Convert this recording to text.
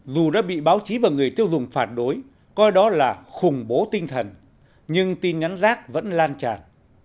dù đã bị báo chí và người tiêu dùng phản đối coi đó là khủng bố tinh thần nhưng tin nhắn rác vẫn lan tràn